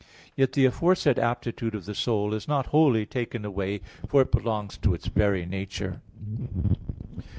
Yet the aforesaid aptitude of the soul is not wholly taken away, for it belongs to its very nature.